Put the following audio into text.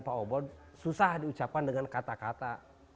pak obot susah diucapkan dengan kata kata